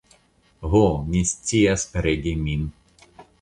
Ho, mi scias regi min.